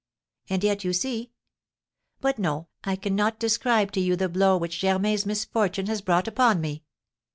And yet, you see But no, I cannot describe to you the blow which Germain's misfortune has brought upon me.